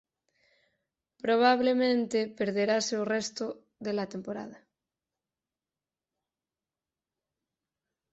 Probablemente perderase o resto de la temporada.